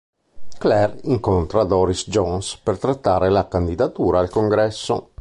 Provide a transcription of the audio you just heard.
Claire incontra Doris Jones per trattare la candidatura al Congresso.